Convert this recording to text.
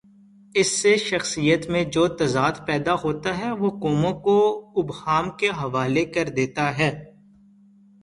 اس سے شخصیت میں جو تضاد پیدا ہوتاہے، وہ قوموں کو ابہام کے حوالے کر دیتا ہے۔